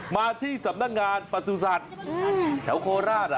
มาที่สำนักงานประสุทธิ์แถวโคราช